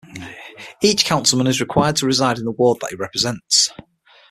Each councilman is required to reside in the ward that he represents.